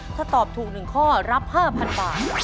ถ้าตอบถูก๑ข้อรับ๕๐๐๐บาท